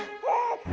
aku mau ke rumah